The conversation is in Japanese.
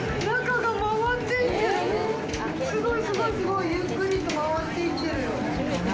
すごい、すごい、すごい！ゆっくりと回っていってる！